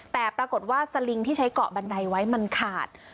แต่ปรากฏว่าสลิงที่ใช้เกาะบันไดไว้มันขาด